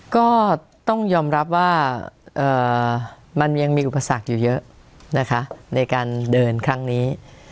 ก็ต้องยอมรับว่ามันยังมีอุปสรรคอยู่เยอะนะคะในการเดินครั้งนี้